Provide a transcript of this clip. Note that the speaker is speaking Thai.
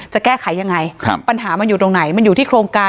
จะแก้ไขยังไงปัญหามันอยู่ตรงไหนมันอยู่ที่โครงการ